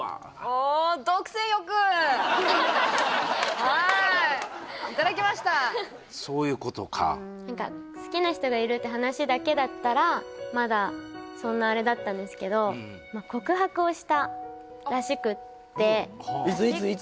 おはい頂きましたそういうことか好きな人がいるって話だけだったらまだそんなあれだったんですけど告白をしたらしくていつ？